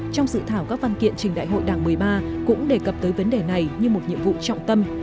trong dự thảo các văn kiện trình đại hội đảng một mươi ba cũng đề cập tới vấn đề này như một nhiệm vụ trọng tâm